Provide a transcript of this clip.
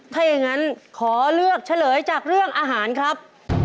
ถ้าอย่างนั้นขอเลือกเฉลยจากเรื่องอาหารครับ